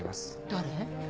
誰？